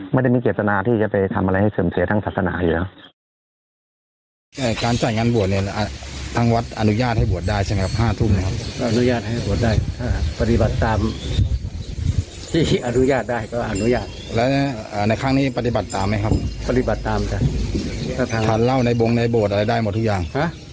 ไม่ได้มีเจตนาที่จะไปทำอะไรให้เสริมเสียทางศาสนาอยู่แล้ว